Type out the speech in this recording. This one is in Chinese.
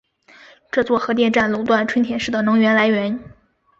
这座核电站垄断春田市的能源来源。